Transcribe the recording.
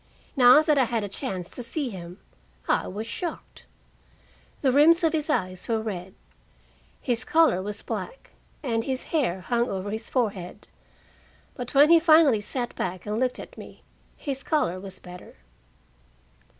Now that I had a chance to see him, I was shocked. The rims of his eyes were red, his collar was black, and his hair hung over his forehead. But when he finally sat back and looked at me, his color was better.